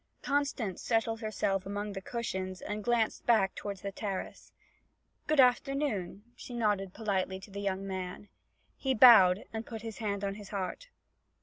Constance settled herself among the cushions and glanced back toward the terrace. 'Good afternoon,' she nodded politely to the young man. He bowed with his hand on his heart.